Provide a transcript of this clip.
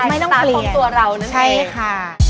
ไม่ต้องเปลี่ยนใช่ค่ะ